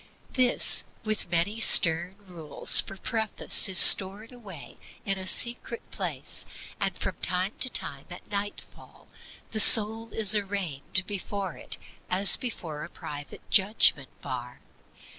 This, with many stern rules for preface, is stored away in a secret place, and from time to time, at nightfall, the soul is arraigned before it as before a private judgment bar.